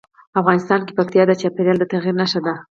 افغانستان کې پکتیکا د چاپېریال د تغیر نښه ده.